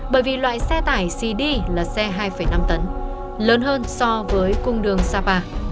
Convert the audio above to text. bởi vì loại xe tải sì đi là xe hai năm tấn lớn hơn so với cung đường sapa